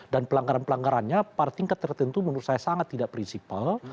dan pelanggaran pelanggarannya pada tingkat tertentu menurut saya sangat tidak prinsipal